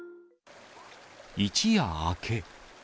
一夜明け。